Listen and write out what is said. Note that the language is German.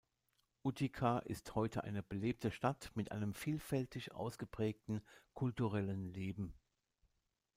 Utica ist heute eine belebte Stadt mit einem vielfältig ausgeprägten kulturellen Leben.